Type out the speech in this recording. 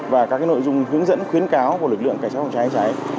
và các nội dung hướng dẫn khuyến cáo của lực lượng cảnh sát phòng cháy cháy